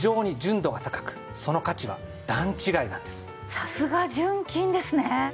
さすが純金ですね。